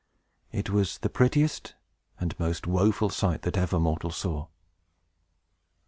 It was the prettiest and most woeful sight that ever mortal saw.